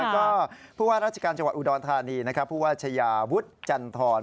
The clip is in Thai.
ก็ราชการจังหวัดอุดรฐานีพชวุฒน์จันนทร